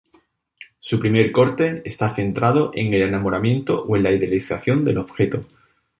Su Primer Corte está centrado en el enamoramiento o en la idealización del objeto.